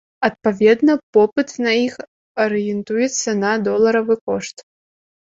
Адпаведна, попыт на іх арыентуецца на доларавы кошт.